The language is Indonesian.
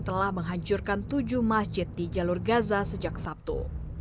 telah menghancurkan tujuh masjid di jalur gaza sejak sabtu